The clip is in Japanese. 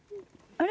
あれ？